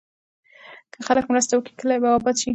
که خلک مرسته وکړي، کلي به اباد شي.